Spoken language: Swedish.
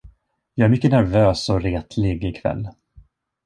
Jag är mycket nervös och retlig i kväll.